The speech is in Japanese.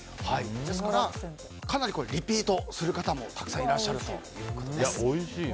ですからかなりリピートする方もたくさんいらっしゃるということです。